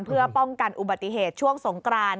เพื่อป้องกันอุบัติเหตุช่วงสงกราน